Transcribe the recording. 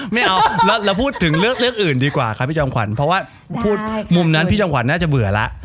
ไม่เอาเราพูดถึงเรื่องอื่นดีกว่าครับพี่จอมขวัญเพราะว่าพูดมุมนั้นพี่จอมขวัญน่าจะเบื่อแล้ว